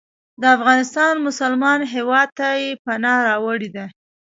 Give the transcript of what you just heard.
د افغانستان مسلمان هیواد ته یې پناه راوړې ده.